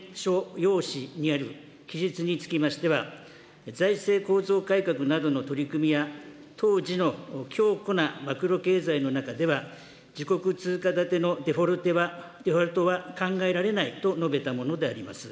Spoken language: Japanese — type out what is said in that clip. ようしにある記述につきましては、財政構造改革などの取り組みや、当時の強固なマクロ経済の中では、自国通貨建てのデフォルトは考えられないと述べたものであります。